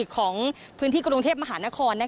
ของพื้นที่กรุงเทพมหานคร